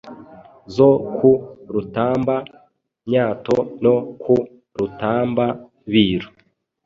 Zo ku Rutamba-myato no ku Rutamba-biru*